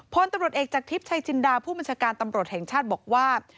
พลตำรวจเอกจากทิพย์ชัยจินดาผู้บัญชาการตำรวจแห่งชาติบอกว่า